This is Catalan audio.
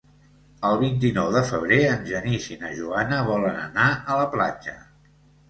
El vint-i-nou de febrer en Genís i na Joana volen anar a la platja.